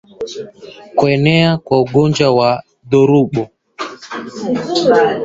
Kuenea kwa ugonjwa wa ndorobo